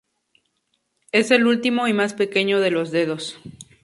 Es el último y más pequeño de los dedos.